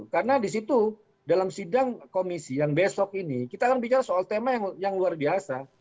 karena di situ dalam sidang komisi yang besok ini kita akan bicara soal tema yang luar biasa